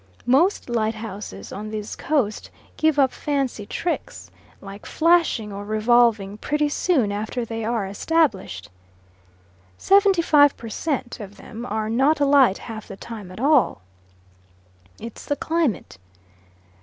Most lighthouses on this Coast give up fancy tricks, like flashing or revolving, pretty soon after they are established. Seventy five per cent. of them are not alight half the time at all. "It's the climate."